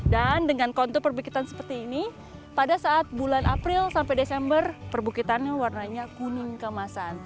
dan dengan kontur perbukitan seperti ini pada saat bulan april sampai desember perbukitannya warnanya kuning kemasan